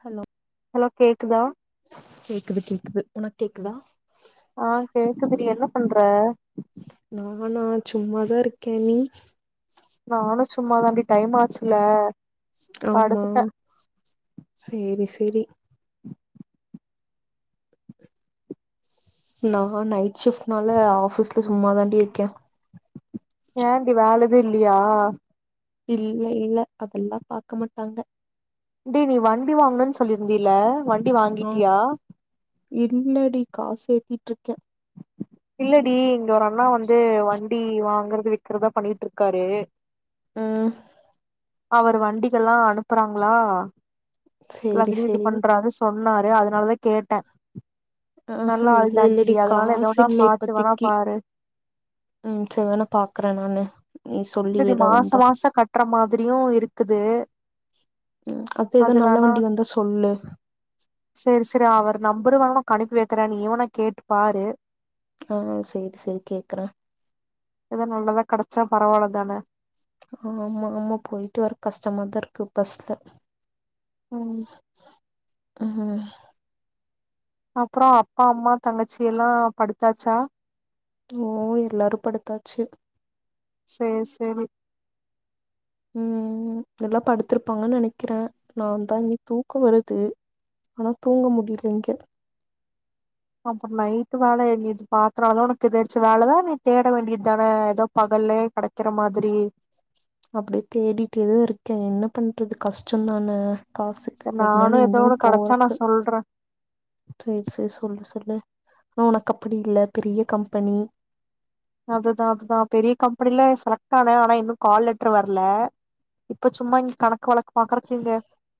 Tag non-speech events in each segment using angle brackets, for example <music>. hello hello கேக்குதா கேக்குது கேக்குது உனக் கேக்குதா ஆஹ கேக்குதுடி என்ன பண்ற நானா ச்சும்மாதா இருக்க நீ நானு ச்சும்மா தாண்டி டைம் ஆச்சுல ஆமா படுத்துட்டே சேரி சேரி நான் நைட் ஷிஃப்ட்னால ஆஃபிஸ்ல சும்மா தாண்டி இருக்க ஏண்டி வேல எது இல்லையா இல்ல இல்ல அப்பிட்ல்லா பாக்க மாட்டாங்க டி நீ வாங்கணுன் சொல்லிருந்தீல வண் ண்டி ஆ வாங்கிட்டியா இல்லடி காசு சேத்தீட்ருக்க இல்லடி இங்க ஒரு அண்ணா வந்து வண்டி வாங்கறது விக்கறதா பண்ணீட்ருக்காரு உம் அவர் வண்டிகெல்லா அனுப்புறாங்களா சேரி அதில்யு இது சேரி பண்றாரு சொ ன்னாரு அதுனாலதா கேட்டே ஆ ஹா நல்ல ஆள் இல்ல தாண்டி இல்லடி அதனால எதோ காசு ஒன்னா இல்ல பாத்து வேணா இப்பத்திக்கி பாரு உம் சர்வேனா பாக்குற நானு நீ இல்லடி சொல்லிவேதா மாச வந்தா மாச கட்ற மாதிரியு இருக்குது ம் எதோ அது நல்ல வேணா வண்டி வந்தா சொல்லு சரி சரி அவரு நம்பரு வேனா கனுப்பி வெக்குற நீயூனா கேட்டு பாரு ஆஹ் சேரி சேரி கேக்குற எதா நல்லதா கடச்சா பரவால்ல தான ஆமா ஆமா போய்ட்டு வர கஷ்டமாதா இருக்கு பஸ்ல உம் ம்ஹம் அப்புறோ அப்பா அம்மா தங்கச்சில்லா படுத்தாச்சா ஓ எல்லாரு படுத்தாச்சு சேர் சேரி உம் எல்லா படுத்திருப்பாங்கன்னு நெனைக்கிற நான்தா இனி தூக்கோ வருது ஆனா தூங்க முடில இங்க அப்பற நைட்டு வேல எங்யாச்சு பாத்துனாலு உனக்கு எதாச்சி வேலதா நீ தேட வேண்டியத் தான எதோ பகல்லே கெடைக்கற மாதிரி அப்டி தேடிட்டேதா இருக்க என்ன பண்றது கஷ்டந்தான காசுக்கு சரி அதுனால நானு எதோ இங்கன்னு ஒன்னு கெடச்சா நா போறக்கு சொல்றே தய்வ் செய் சொல்லு சொல்லு ஆனா உனக்கப்பிடி இல்ல பெரிய கம்பனி அதுதா அதுதா பெரிய கம்பனில செலக்ட் ஆன ஆனா இன்னு கால் லெட்ரு வர்ல இப்ப சும்மா இங்க கணக்கு வழக்கு பாக்கறக்கிங்க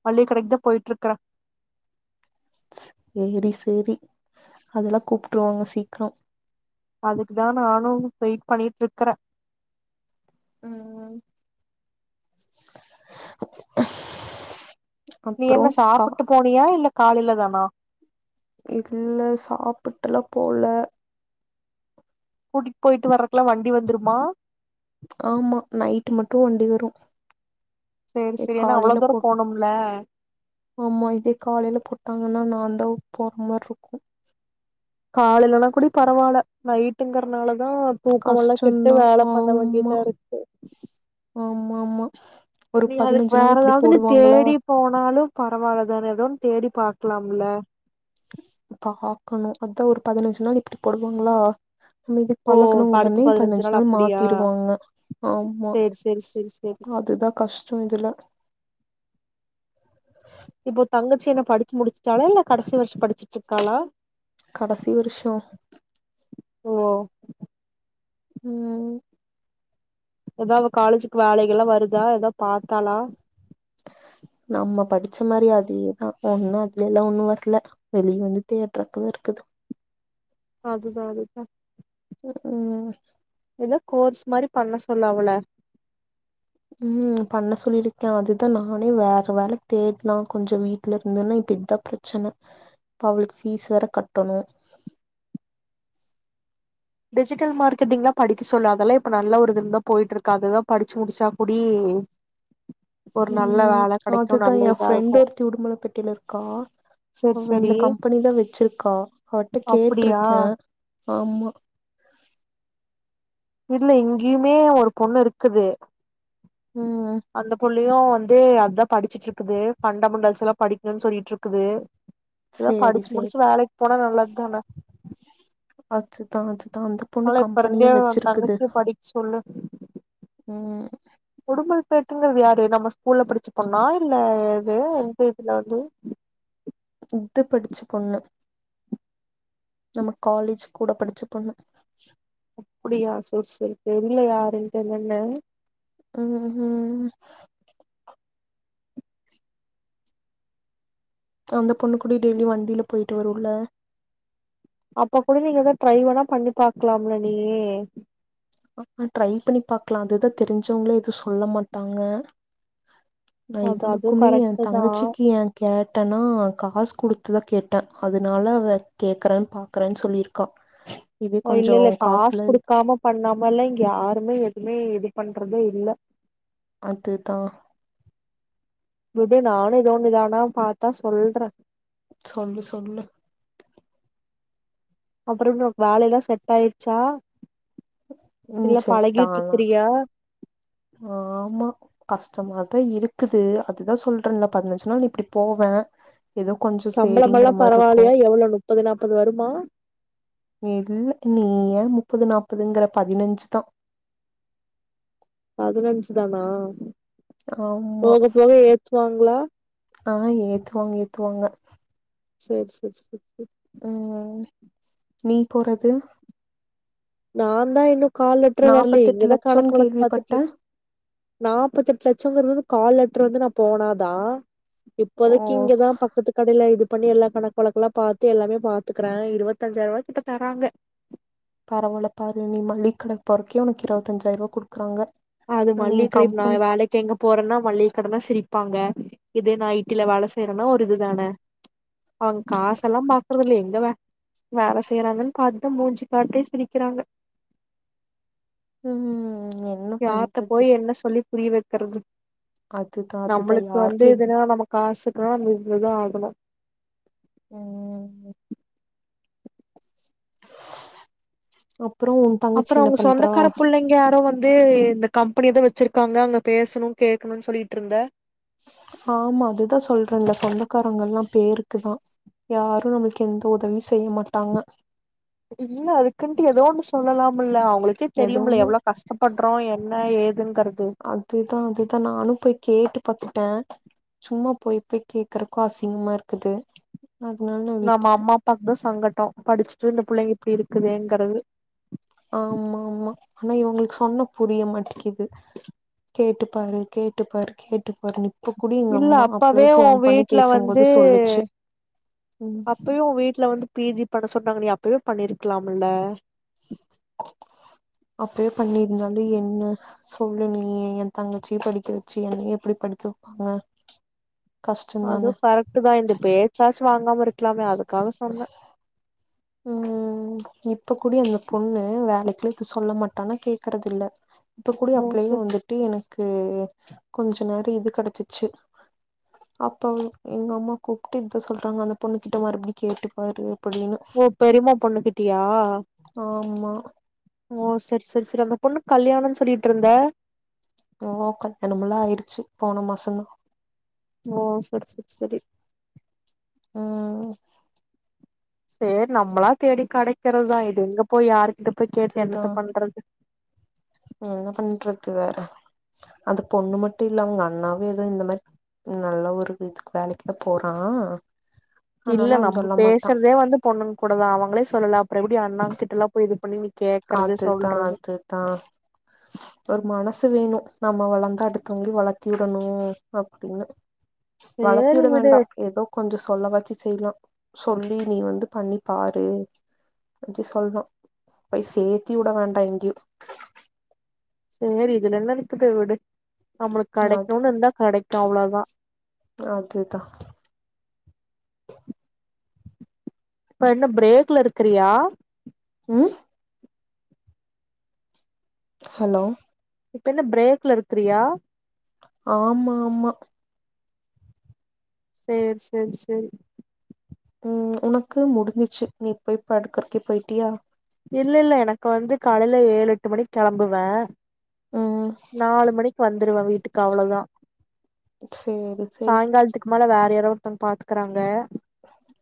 மல்லி கடைக்கு தா போய்ட்ருக்கற சேரி சேரி அதெல்லா கூப்ட்ருவாங்க சீக்ரோ அதுக்குதா நானு வெயிட் பண்ணீட்ருக்கற உம் உம் நீ என்ன சாப்புட்டு போனியா இல்ல காலைல தானா இல்ல சாப்புட்டெல்லா போல கூட்டிட் போய்ட்டு வர்றக்கெல்லா வண்டி வந்துருமா ஆமா நைட்டு மட்டு வண்டி வரு சேரி இதே சேரி ஏன்னா அவ்ளோ காலைல தூரோ போ போனும்ல ஆமா இதே காலைல போட் ட்டாங்கன்னா நான்தா போற மார்ருக்கு காலைலனா கூடி பரவால்ல நைட்டுங்கறனால தா தூக்கமெல்லா கெட்டு கஷ்டம்தான் வேல பண்ண ஆமா வேண்டிதா இருக்கு மா மா நீ அதுக்கு வேற ஏதாவது நீ தேடி போனாலு பரவால தானே எதோன் தேடி பாக்கலாம்ல க்கணும் அதான் ஒரு பதனஞ்சு நாள் இப்படி போடுவாங்களா நம்ம இதுக் ஓ பழக்குன அடுத்து உடனே பதினஞ்சு நாள் அப்டியா மாத்திருவாங்க ஆமா சேரி சேரி சேரி சேரி அதுதா கஷ்டோ இதுல இப்போ தங்க ச்சி என்ன படிச்சு முடிச்சிடால இல்ல கடைசி வர்ஷோ படிச் கடசி வருஷோ ஓ உம் ஏதாவ அவ காலேஜுக்கு வேலைகல்லா வருதா எதா பாத்தாளா நம்ம படிச்ச மாரி அதேதா ஒண்ணு அதுல எல்லா ஒண்ணு வர்ல வெளி வந்து தேட்டுறது தா இருக்குது அதுதா அதுதா உம் எதோ கோர்ஸ் மாரி பண்ண சொல்லு அவள உம் பண்ண சொல்லிருக்கே அதுதா நானே வேற வேல தேட்லா கொஞ்சொ வீட்லிருந்துனா இப்ப இதா பிரெச்சன இப்ப அவளுக்கு ஃபீஸ் வேற கட்டணு டிஜிட்டல் மார்க்கெட்டிங்லா படிக்க சொல்லு அதெல்லா இப்ப நல்ல ஒரு இதுல்தா போயிட்ருக்கா அதுதா படிச்சு முடிச்சா கூடி ஒரு நல்ல உம் வேல கெடைக்கு அதுதா நல்ல என் இதா ஃப்ரெண்ட் இருக்கு ஒருத்தி உடுமல பேட்டைல இருக்கா செரி அவ செரி இந்த கம்பெனிதா வெச்சிருக்கா அவட்ட அப்டியா கேட்ருக்க ஆமா இல்ல இங்கியுமே ஒரு பொண்ணு இருக்குது ம் அந்த புள்ளையு வந் து அத்தா படிச்சிட்ருக்குது ஃபண்டமெண்டல்ஸல்லா படிக்கணுன் சொல்லிட்ருக்குது எதா சேரி படிச்சு சேரி முடிச்சு வேலைக் போனா நல்லதுதான அதுதா அதுதா அந்த பொண்ணு கம்பெனியே <unintelligible> <unintelligible> படிக் சொல் ஆ உம் உடுமல் பேட்ள யாரு நம்ம ஸ்கூல்ல படிச்ச பொண்ணா இல்ல எது எந்த இதுல வந்து இது படிச்சு பொண்ணு நம்ம காலேஜ் கூட படிச்ச பொண்ணு அப்டியா சேரி சேரி தெரில யாருன்ட்டு என்னன்னு உம் ஹ்ம் அந்த பொண்ணுக்கூடி டெய்லி வண்டில போய்ட்டு வருல அப்ப கூட நீங்க எதா ட்ரை வேணா பண்ணி பாக்கலாம்ல நீயு ஆஹ் ட்ரை பண்ணி பாக்லா அதுதா தெரிஞ்சவங்களே எதுவு சொல்ல மாட்டாங்க நா அது அதுவு இவ்ளுக்குமே என் கரெக்ட் தா தங்கச்சிக்கு என் கேட் ட்டன்னா காசு குடுத்துதா கேட்ட அதுனால அவ கேக்குறன் பாக்குறன் சொல்லிருக்கா ஒ இல்ல இல்ல காசு குடுக்காம பண்ணா மல்லாம் இங்க யாருமே எதுமே இது பண்றதே இல்ல அதுதா விடு நானு எதோன்னு இதானா பாத்தா சொல்ற சொல்லு சொல்லு அப்பறோ என்னோ வேலைலா செட் ஆயிர்ச்சா உம் சொல்டாளா ஆமா கஷ் ஷ்டமாதா இருக்குது அதுதா சொல்றன்ல பதினஞ்சு நாள் இப்டி போவ சம்பளமல்லா பரவால்லையா எவ்ளோ னுப்பது நாப்பது வருமா இல்ல நீ ஏ முப்பது நாப்பதுங்கற பதினஞ்சுதா பதினஞ்சு தானா ஆமா போக போக ஏத்துவாங்ளா ஆஹ் ஏத்துவாங்க ஏத்துவாங்க செரி செரி செரி செரி ஹ்ம் நீ போறது நான் தா இன்னு கால் லெட்றே வர்லே நாப்பத்தெட்டு இங்கதா லட்சோன்னு கணக் வழக் கேள்விப்பட்டே பாத்துட்ருக் நாப்பத்தெட் லட்சங்கிறது வந்து கால் லெட்ரு வந்து நா போனாதா ஓ இப்போதைக்கு இங்கதா பக்கத்து கடைல இது பண்ணி எல்லா கணக்கு வழக்கெல்லாம் பார்த்து எல்லாமே பாத்துக்கறேன் இருபத்தஞ்சாயர ரூபாகிட்ட தராங்க பரவால்ல பாரு நீ மல்லிக்கடைக்கு போறதுக்கே உனக்கு இருபத்தஞ்சாயரூபா கொடுக்குறாங்க அது மல்லியக்கடை இ நான் வேலைக்கு எங்க போறேன்னா மல்லியக்கடை னா சிரிப்பாங்க இதே நைட்டுல வேலை செய்யறேன்னா ஒரு இதுதானே அவங்க காச எல்லாம் பாக்குறது இல்ல எங்க வே வேலை செய்யறாங்கன்னு பார்த்துதா மூஞ்சு பார்த்தே சிரிக்கிறாங்க உம்ம்ம் இன்னும் யார்ட போய் என்ன சொல்லி புரிய வைக்கறது அதுதா அதுதா நம்மளுக்கு வந்து யாருக்கு எது எதுனா நமக்கு காசுக்கலாம் அங்க இருந்துதான் ஆகணும் ம்ம்ம் ஒப் அப்புறம் அவங்க சொந்தக்கார புள்ளைங்க யாரோ வந்து இந்த கம்பெனிதான் வச்சிருக்காங்க அங்க பேசணும் கேட்கணும் சொல்லிகிட்டு இருந்தே ஆமா அதுதான் சொல்றே இந்த சொந்தக்காரங்கலாம் பேருக்குதான் யாரும் நம்மளுக்கு எந்த உதவியும் செய்ய மாட்டாங்க இல்ல அதுக்குன்ட்டு ஏதோ ஒன்னு சொல்லலாமல்ல உங்களுக்கே எதோ தெரியுமுல ஒன்னு எவ்வளவு கஷ்டப்படுறோம் என்ன ஏதுங்கிறது அதுதா அதுதா நானு போய் கேட்டு பாத்துட்டே சும்மா போயி போய் கேக்குறதுக்கும் அசிங்கமா இருக்குது அதனால நா நம்ம விட்டுட்டே அம்மாஅப்பாக்கு தான் சங்கட்டம் படிச்சுட்டு இந்த புள்ளைங்க இப்டி இருக்கு இருங்கிறது <unintelligible> ஆமா ஆமா ஆனா இவங்களுக்கு சொன்னா புரிய மாட்டுங்கிது கேட்டு பாரு கேட்டு பாரு கேட்டு பாருன்னு இல்ல அப்பவே ஒ வீட்டுல பேசும்போது வந்து சொல்லுச்சு ம் அப்பயும் ஒம் வீட்டு்ல வந்து பிஜி பண்ண சொன்னறாங்க நீ அப்பவே பண்ணிருக்கலாம்ல அப்படியே பண்ணியிருந்தாலும் என்ன சொல்லு நீ என் தங்கச்சிய படிக்க வச்சு என் எப்படி படிக்க வைப்ப அதுவும் கரெக்ட் தான் இந்த பேச்ச சார்ஜ் வாங்காம இருக்கலாமே ஆகும் அத சொல்லே ம் இப்ப கூடி அந்த பொண்ணு வேலைக்கு சொல்ல மாட்டானா கேக்குறது இல்ல இப்ப கூடி ஓ அப்பள்ளயே சரி வந்துட்டு எனக்கு கொஞ்ச நேரம் இது கிடைச்சிருச்சு அப்ப எங்க அம்மா கூப்பிட்டு இத சொல்றாங்க அந்த பொண்ணு கிட்ட மறுபடி கேட்டு பாரு ஓ பெரிம்மா பொண்ணுகிட்டியா ஆமா ஓ சரி சரி சரி அந்த பொண்ணு கல்யாணம்ன்னு சொல்லிட்டு இருந்தே ஓ கல்யாணமல்லா ஆயிருச்சு போன மாசத் ஓ சரி சரி சரி ம் சேரி நம்மளா தேடி கெடைக்கிறதுதா இது எங்க போய் யாரு ட்ட போய் கேட்டு அதுதா என்னத்த பண்றது என்ன பண்றது வேற அது பொண்ணு மட்டு இல்ல அவுங்கண்ணாவு ஏதோ இந்த மாரி நல்ல ஒரு இதுக்கு வேலைக்கு தா போறா அதனால இல்ல அவ நம்ம சொல்ல மாட்டா பேசறதே வந்து பொண்ணுங் கூடதா அவங்களே சொல்லல அப்பற எப்டி அண்ணாங் கிட்டலா போய் இது <unintelligible> அதுதா சொல்றது அதுதா ஒரு மனசு சு வேணு நம்ம வளந்தா அடுத்தவுங்களயு வளத்திடணு அப்டின்னு வளத்தி சேரி உட விடு வேண்டா எதோ கொஞ்சொ சொல்ல வாச்சு செய்லா சொல்லி நீ வந்து பண்ணி பாரு அடி சொல்லா பய் சேத்தி உட வேண்டா எங்கியூ சேரி இதுல என்ன இருக்குது விடு நம்மளுக்கு அது கடைக்ணுன் இருந்தா கடைக் கு அவ்ளோதா அதுதா ப்ப என்ன பிரேக்ல இருக்கிறியா ம் ஹலோ இப்ப என்ன பிரேக்ல இருக்றியா ஆமா ஆமா சேரி சேரி சேரி ம் உனக்கு முடிஞ்சிர்ச்சு நீ போய் படுக்கறக்கே போய்ட்டியா இல்லில்ல எனக்கு வந்து காலைல ஏழெட்டு மணிக்கெளம்புவ ம் நாலு மணிக்கு வந்துருவ வீட்டுக்கு அவ்வளதா சேரி சேரி சாயங்கால்த்துக்கு மேல வேற யார் ஒருத்தங் பாத்துக்குறாங்க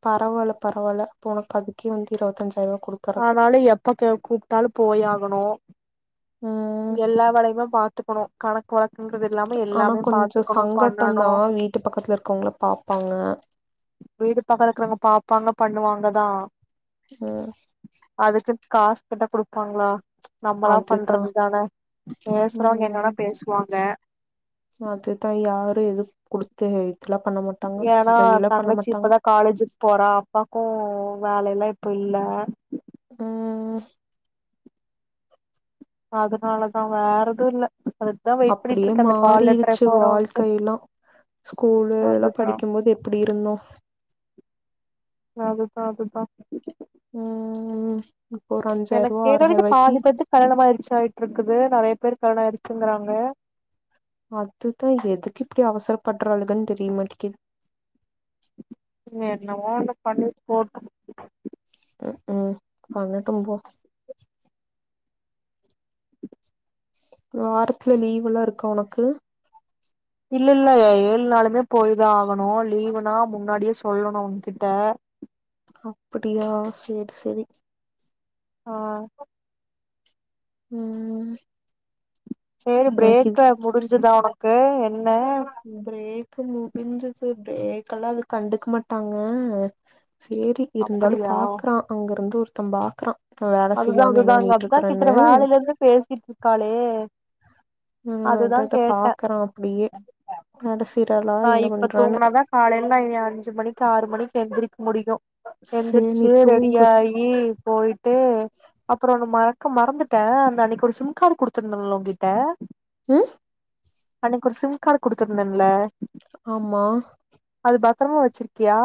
பரவால பரவால போனக் அதுக்கே வந்து இருவத்தஞ்சாயிரோ ஆனாலு எப்ப கே கூப்ட்டாலு போயாகணு ம் எல்லா வலையும பா த்துக்கணு கணக் வழக் குங்கது இல்லாம ஆனா எல்லாமே கொஞ்சோ பாத்துக்கணு பண்ணணு சங்கட்டந்தா வீட்டு பக்கத்துல இருக்கவங்கள பாப்பாங்க வீடு பக்கோ இருக்குறவுங்க பாப்பாங்க பண்ணுவாங்க தா ம் காஸ் கேட்ட குடுப்பாங்களா நம்மளா அதுதா பண்றது தான பேசுறவங்க ம் என்னவேனா பேசுவாங்க ரு எதுக் குடுத்து இதெல்லா பண்ண மாட்டாங்க ஏனா உதவியெல்லா பண்ண தங்கச்சி மாட்டாங்க இப்பதா காலேஜுக் போறா அப்பாக்கு வேல எல்லா இப்போ இல்ல உம் ம் அதுனாலதா வேற எது இல்ல அதுக்குதா வெயிட் பண்ணிட்டு அப்டியே இருக்கே அந்த கால் லெட்டர் மாறிருச்சு எப்ப வருன்ட்டு வாழ்க்கைய எல்லா ஸ்கூல் லா அதுதா படிக்கும்போது எப்டி இருந்தோ அதுதா அதுதா ம் இப்போ ஒரு எனக்கு அஞ்சாயிரூவா கேட்ட வரைக்கு ஆறாயிரூவாய்க்கி பாதிப்பேத்துக்கு கல்யாணமாயிருச்சு ஆயிட்டு இருக்குது நெறைய பேரு கல்யாண ஆயிச்சுன்றாங்க அதுதா எதுக்கு இப்டி அவசரப்படுறாளுங்கனு தெரியமாட்டேக்கிது என்னவோ ஒன்னு பண்ணிட்டு போட்டு க் ம் பண்ணட்டு போ வாரத்துல லீவ்ல்லா இருக்கா ஒனக்கு இல்ல இல்ல ஏழு நாளுதா போய்தா ஆகணு லீவுனா முன்னாடியே சொல்லணு அவுங்கிட்ட அப்டியா செரி செரி ஆ உம் செரி பிரேக்ல முடிஞ்சுதா உனக் கா என் <unintelligible> இப்ப முடிஞ்சுது பிரேக்கெல்லா அது கண்டுக்க மாட்டாங்க செரி இருந்தாலு அப்படியா பாக்குறா அங்ககருந்து ஒரு தம் பாக்குறா நா வேல அதுதா செய்யாம என்ன அதுதாங்க பண்ணிட்டு அதா கேக்குற இருக்கறேன்னு வேலைல இருந்து பேசிட்டு இரு காலே ஆ அத அதுதா அத கேட்ட பாக்குறா அப்படியே வேல செய்றாளா ஆ என்ன இப்ப பண்றான்னு தூங்குனாதா காலேல நா இனி அஞ்சு மணிக்கு ஆறு மணிக்கு எந்திரி முடியு சேரி நீ எந்திரிச்சு தூங்கு ரெடியாயி போய் ம் அப்பறம் நா மறக்க மறந்துட்டே அந்த அன்னைக்கு ஒரு சிம் கார்டு குடுடுத்திருந்தலா உகிட்ட உம் அன்னைக்கு ஒரு சிம் கார்டு குடுத்துருந்தேன்ல ஆமா பத்தரமா வச்சிருக்கியா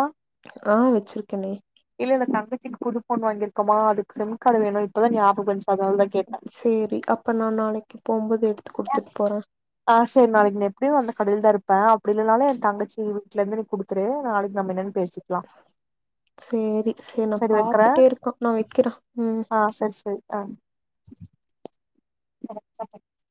ஆ வச்சிருக்கேனே இல்ல இல்ல தங்கச்சிக்கு புது போன் வாங்கிருக்கோமா அதுக் சிம் கார்டு வேணு இப்பதா ஞாபம் வந்துச் சரி அப்ப நா நாளைக்கு போம்போது எடுத்து குடுத்துட்டு போறே ஏப்படியு அந்த கடையில்ல தா இருப்ப அப்படி இல்லனாலே என் தங்கச்சி வீட்டுல இருந்து நீ கொடுத்துரு நாளைக்கு நம்ம என்னன்னு பேச சரி சரி நா பாத்துட்டே இருக்க நா வைக்கிறே ம் ஆஹ் சரி சரி அம் கரெக்தா <unintelligible>